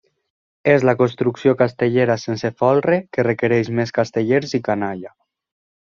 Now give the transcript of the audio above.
És la construcció castellera sense folre que requereix més castellers i canalla.